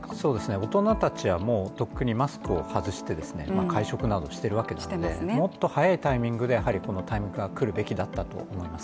大人たちはもうとっくにマスクを外して会食などしていますのでもっと早いタイミングでこのタイミングが来るべきだったと思います。